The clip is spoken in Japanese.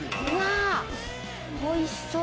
おいしそう。